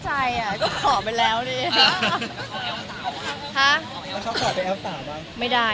มีปิดฟงปิดไฟแล้วถือเค้กขึ้นมา